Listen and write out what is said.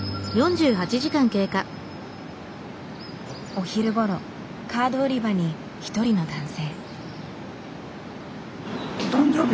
お昼ごろカード売り場に一人の男性。